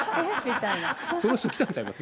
その人来たんちゃいます？